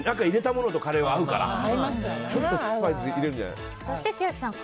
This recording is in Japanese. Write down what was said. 入れたものとカレーは合うから。